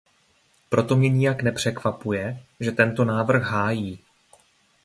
Proto mě nijak nepřekvapuje, že tento návrh hájí.